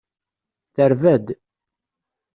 Terba-d.